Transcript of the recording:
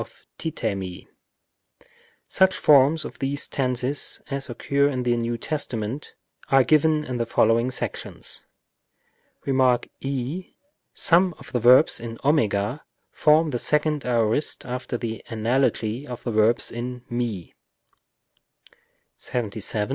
of τίθημι Such forms of these tenses as occur in the New Testament are given in the following sections. Rem. e. Some verbs in w form the second aorist after the analogy of verbs in μι. § 77.